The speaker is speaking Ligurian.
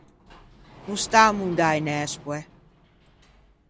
No stâ à mondâ nespoe.